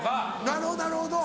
なるほど。